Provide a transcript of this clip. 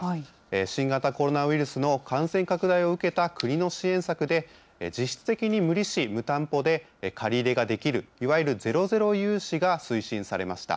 新型コロナウイルスの感染拡大を受けた国の支援策で、実質的に無利子・無担保で借り入れができる、いわゆるゼロゼロ融資が推進されました。